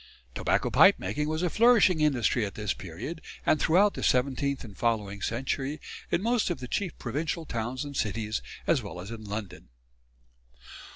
Tobacco pipe making was a flourishing industry at this period and throughout the seventeenth and following century in most of the chief provincial towns and cities as well as in London.